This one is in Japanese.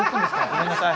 ごめんなさい。